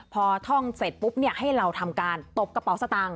พอท่องเสร็จปุ๊บให้เราทำการตบกระเป๋าสตางค